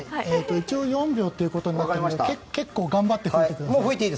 一応４秒ということになってるので頑張って吹いてください。